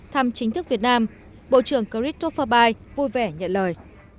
thăm chính thức việt nam bộ trưởng christopher baye vui vẻ nhận lời